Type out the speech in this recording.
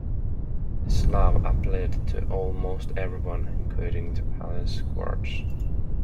This law applied to almost everyone, including the palace guards.